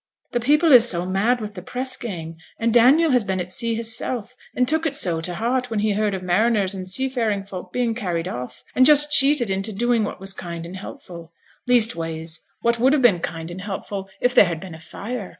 'The people is so mad with the press gang, and Daniel has been at sea hisself; and took it so to heart when he heard of mariners and seafaring folk being carried off, and just cheated into doing what was kind and helpful leastways, what would have been kind and helpful, if there had been a fire.